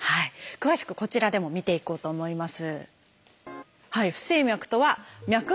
詳しくこちらでも見ていこうと思います。